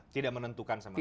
tidak menentukan sama sekali